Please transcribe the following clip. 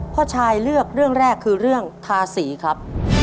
พ่อชายเลือกเรื่องแรกคือเรื่องทาสีครับ